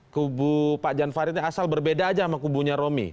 kubu pak jan farid yang asal berbeda aja sama kubunya romi